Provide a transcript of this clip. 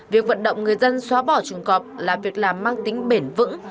việc vận động người dân xóa bỏ trùng cọp là việc làm mang tính bền vững